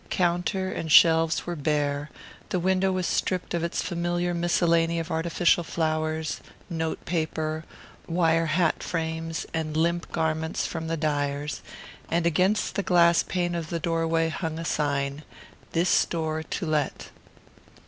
Counter and shelves were bare, the window was stripped of its familiar miscellany of artificial flowers, note paper, wire hat frames, and limp garments from the dyer's; and against the glass pane of the doorway hung a sign: "This store to let."